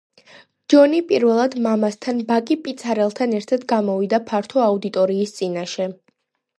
ჯონი პირველად მამასთან ბაკი პიცარელთან ერთად გამოვიდა ფართო აუდიტორიის წინაშე.